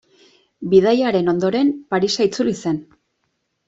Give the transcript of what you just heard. Bidaia haren ondoren Parisa itzuli zen.